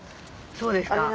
そうですか。